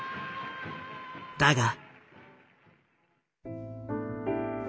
だが。